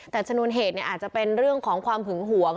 แต่ชนวนเหตุอาจจะเป็นเรื่องของความหึงหวง